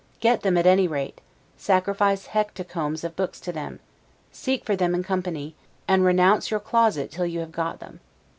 Get them at any rate: sacrifice hecatombs of books to them: seek for them in company, and renounce your closet till you have got them.